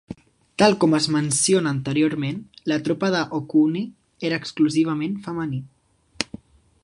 Tal com es menciona anteriorment, la tropa de Okuni era exclusivament femení.